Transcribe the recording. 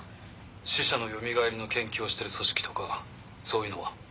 死者のよみがえりの研究をしてる組織とかそういうのは？